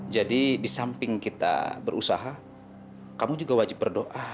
jadi di samping kita berusaha kamu juga wajib berdoa